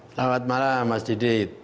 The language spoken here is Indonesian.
selamat malam mas didit